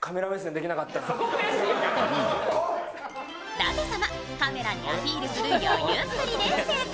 だて様、カメラにアピールする余裕っぷりで成功。